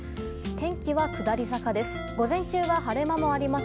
天気は下り坂です。